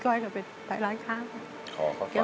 เขาจะไม่ขับต้องเขียน